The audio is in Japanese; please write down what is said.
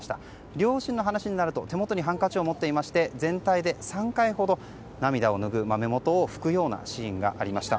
両親の話になると手元にハンカチを持っていまして全体で３回ほど、涙を拭う目元を拭くようなシーンがありました。